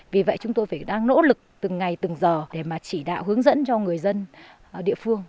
vì vậy chúng tôi phải đang nỗ lực từng ngày từng giờ để mà chỉ đạo hướng dẫn cho người dân địa phương